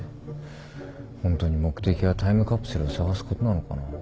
ホントに目的はタイムカプセルを捜すことなのかな。